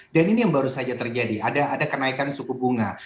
dan ini yang baru saja terjadi ada kenaikan suku bunga